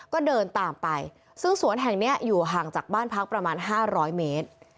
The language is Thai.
ก็เดินตามไปซึ่งสวนแห่งนี้อยู่ห่างจากบ้านพักประมาณ๕๐๐เมตร